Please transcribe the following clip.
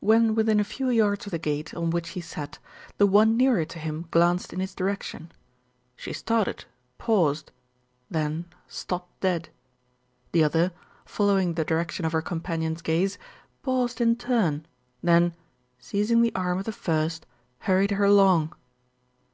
When within a few yards of the gate on which he sat, the one nearer to him glanced in his direction. She started, paused, then stopped dead. The other, fol lowing the direction of her companion's gaze, paused in turn, then, seizing the arm of the first, hurried her along.